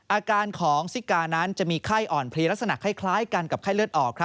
อาการของซิกานั้นจะมีไข้อ่อนเพลียลักษณะคล้ายกันกับไข้เลือดออก